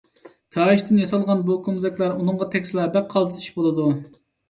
كاھىشتىن ياسالغان بۇ كومزەكلەر ئۇنىڭغا تەگسىلا بەك قالتىس ئىش بولىدۇ.